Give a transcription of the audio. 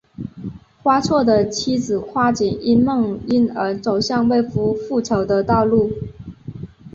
花错的妻子花景因梦因而走向为夫复仇的道路。